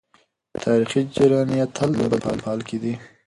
تاریخي جریانات تل د بدلون په حال کي دي.